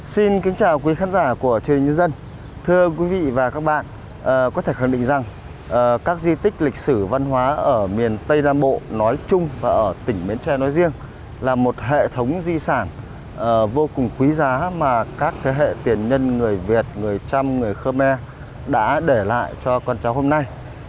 xin kính chào quý khán giả của truyền hình nhân dân thưa quý vị và các bạn có thể khẳng định rằng các di tích lịch sử văn hóa ở miền tây nam bộ nói chung và ở tỉnh miến tre nói riêng là một hệ thống di sản vô cùng quý giá mà các thế hệ tiền nhân người việt người trăm người khmer đã để lại cho con cháu hôm nay